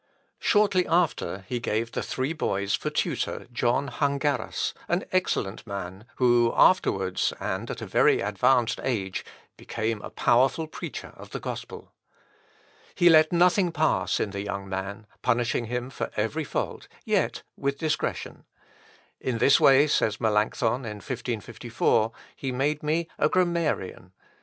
Shortly after he gave the three boys for tutor John Hungarus, an excellent man, who afterwards, and at a very advanced age, became a powerful preacher of the gospel. He let nothing pass in the young man, punishing him for every fault, yet with discretion. "In this way," says Melancthon in 1554, "he made me a grammarian.